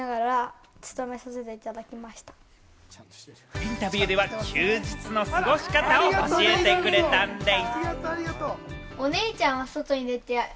インタビューでは休日の過ごし方を教えてくれたんでぃす。